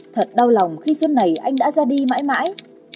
thật đau lòng khi suốt này anh đã ra đi mãi mãi